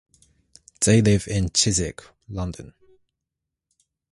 They live in Chiswick, London.